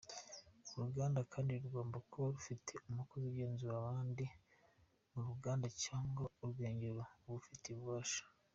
Uruganda kandi rugomba kuba rufite umukozi ugenzura abandi mu ruganda cyangwa urwengero ubifitiye ububasha.